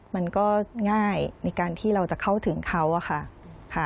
มันก็ง่ายในการที่เราจะเข้าถึงเขาอะค่ะ